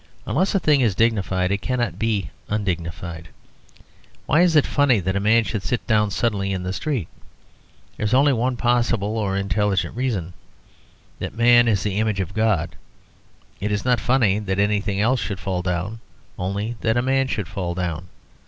Unless a thing is dignified, it cannot be undignified. Why is it funny that a man should sit down suddenly in the street? There is only one possible or intelligent reason: that man is the image of God. It is not funny that anything else should fall down; only that a man should fall down.